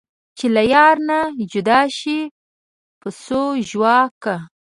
چې له یاره نه جدا شي پسو ژواک کا